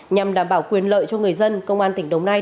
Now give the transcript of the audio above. nhằm đảm bảo quyền lợi cho người dân công an tỉnh đồng nai